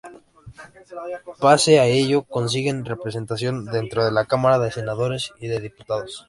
Pese a ello, consiguen representación dentro de la Cámara de Senadores y de Diputados.